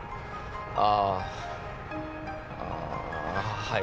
ああはい